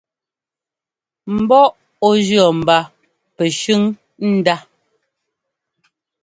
Mbɔ ɔ jʉ̈ mba pɛshʉ́n ndá.